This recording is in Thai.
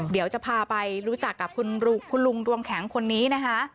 เดี๋ยวจะพาไปรู้จักกับคุณลุงดวงแข็งคนนี้นะคะ